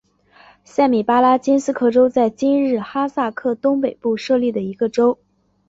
塞米巴拉金斯克州在今日哈萨克东北部设立的一个州。